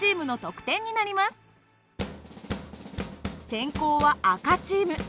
先攻は赤チーム。